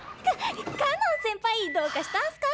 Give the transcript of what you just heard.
かかのん先輩どうかしたんすか？